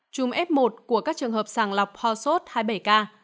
chùm f một của các trường hợp sàng lọc hòa sốt hai mươi bảy ca